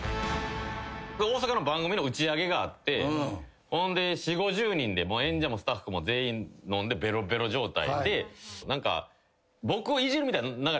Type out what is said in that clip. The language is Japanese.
大阪の番組の打ち上げがあってほんで４０５０人で演者もスタッフも全員飲んでベロベロ状態で僕をいじるみたいな流れになったんすよ。